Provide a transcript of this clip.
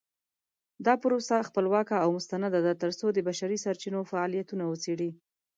دا پروسه خپلواکه او مستنده ده ترڅو د بشري سرچینو فعالیتونه وڅیړي.